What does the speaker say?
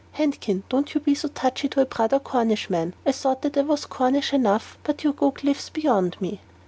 "Handkin, don't you be so touchy to a brother Cornishman. I thought that I was Cornish enough, but you go cliffs beyond me."